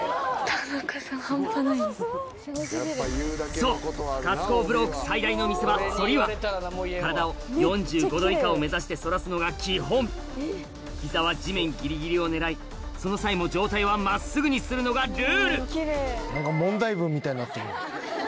そう『春高ブローク』最大の見せ場反りは体を４５度以下を目指して反らすのが基本膝は地面ギリギリを狙いその際も上体は真っすぐにするのがルールみたいになってるやん。